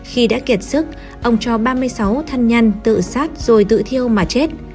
khi đã kiệt sức ông cho ba mươi sáu thân nhân tự sát rồi tự thiêu mà chết